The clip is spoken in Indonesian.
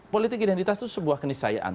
politik identitas itu sebuah kenisayaan